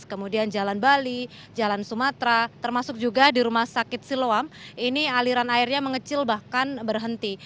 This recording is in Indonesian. kemudian jalan bali jalan sumatera termasuk juga di rumah sakit siloam ini aliran airnya mengecil bahkan berhenti